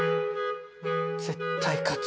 絶対勝つ！